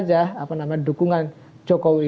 dan tampak yang keindahan